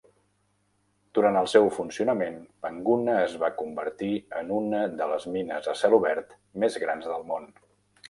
Durant el seu funcionament, Panguna es va convertir en una de les mines a cel obert més grans del món.